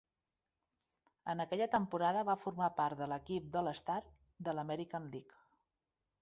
En aquella temporada va formar part de l'equip All-Star de l'American League.